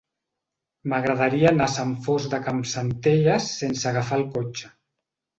M'agradaria anar a Sant Fost de Campsentelles sense agafar el cotxe.